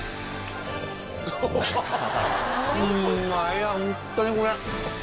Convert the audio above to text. うまいやホントにこれ！